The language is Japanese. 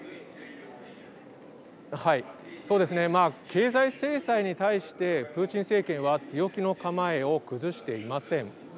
経済制裁に対してプーチン政権は強気の構えを崩していません。